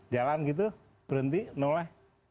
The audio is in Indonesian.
jalan gitu berhenti noleh